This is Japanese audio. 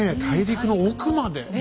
大陸の奥まで。